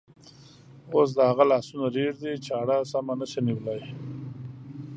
اوس د هغه لاسونه رېږدي، چاړه سمه نشي نیولی.